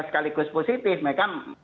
sekaligus positif mereka